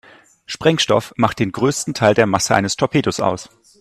Sprengstoff macht den größten Teil der Masse eines Torpedos aus.